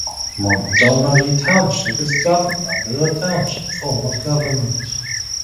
Montgomery Township is governed under the Township form of government.